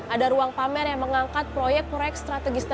ada ruang pamer yang mengangkat proyek proyek strategis